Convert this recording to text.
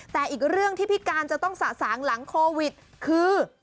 แต่อีกเรื่องที่พี่การจะต้องสะสางหลังโควิดคือ